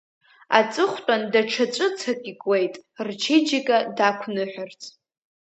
Аҵыхәтәан даҽа ҵәыцак икуеит, рчеиџьыка дақәныҳәарц.